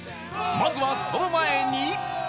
まずはその前に